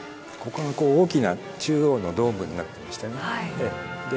ここが大きな中央のドームになってましてねで